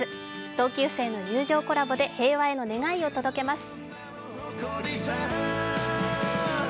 同級生の友情コラボで平和への願いを届けます。